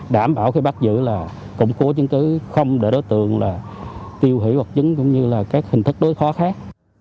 đảm bảo khi bắt giữ là củng cố chứng cứ không để đối tượng tiêu hủy hoặc chứng cũng như là các hình thức đối khóa khác